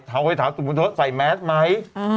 เขาไปถามสมมติว่าใส่แม็กซ์ไหม